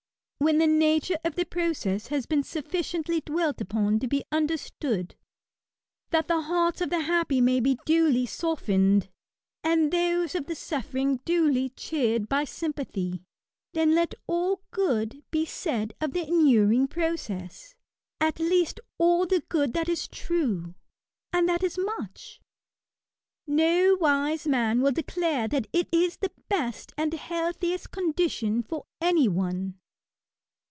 When the nature of the process has been suffi* ciendy dwelt upon to be undefstood^that the hearts of the happy may be duly softened, and those of the suffering duly cheered by sympathy then let all good be said of the inuring process ; at least all the good that is true ; and that is much. No wise man will declare that it is the best and healthiest condition for any one.